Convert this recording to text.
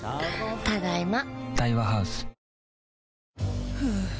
ただいま。